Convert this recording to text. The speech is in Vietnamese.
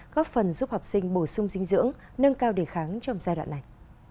góp phần giúp học sinh bổ sung dinh dưỡng nâng cao đề kháng trong giai đoạn này